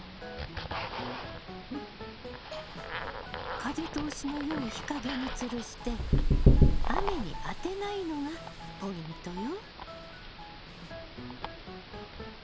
風通しのよい日陰につるして雨に当てないのがポイントよ。